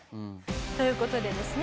という事でですね